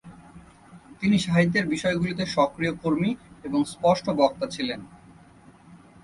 তিনি সাহিত্যের বিষয়গুলিতে সক্রিয় কর্মী এবং স্পষ্ট বক্তা ছিলেন।